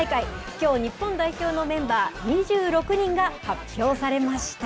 きょう、日本代表のメンバー２６人が発表されました。